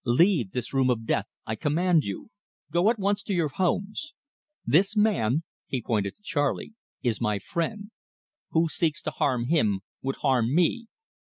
"Leave this room of death, I command you. Go at once to your homes. This man" he pointed to Charley "is my friend. Who seeks to harm him, would harm me.